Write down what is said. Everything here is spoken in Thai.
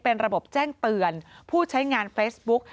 เป็นระบบแจ้งเตือนผู้ใช้งานเฟซบุ๊ก